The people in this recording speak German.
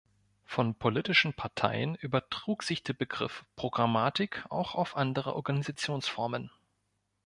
Von politischen Parteien übertrug sich der Begriff Programmatik auch auf andere Organisationsformen.